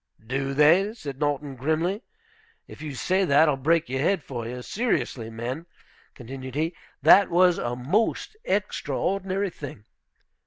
"Do they?" said Norton, grimly. "If you say that, I'll break your head for you. Seriously, men," continued he, "that was a most extraordinary thing.